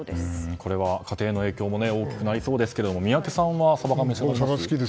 これは家庭の影響も大きくなりそうですが宮家さんはサバ缶召し上がります？